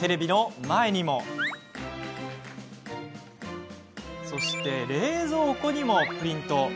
テレビの前にもそして、冷蔵庫にもプリント。